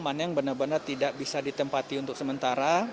mana yang benar benar tidak bisa ditempati untuk sementara